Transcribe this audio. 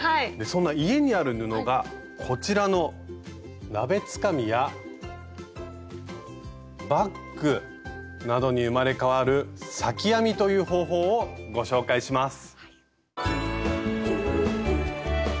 そんな家にある布がこちらの鍋つかみやバッグなどに生まれ変わる「裂き編み」という方法をご紹介します。